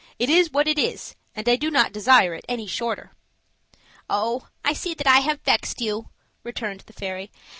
"It is what it is, and I do not desire it any shorter." "Oh! I see that I have vexed you," returned the fairy.